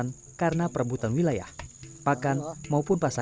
mereka harus mengambil beberapa vitamin dan obat tetes mata